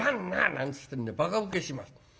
なんつってんでバカウケしました。